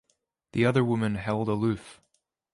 The other woman held aloof.